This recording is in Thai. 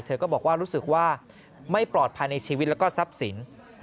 เธอก็บอกว่ารู้สึกว่าไม่ปลอดภัยในชีวิตแล้วก็ทรัพย์สิน